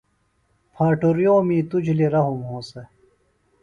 پھاٹُریومی توۡ جُھلیۡ رھم ہونسہ۔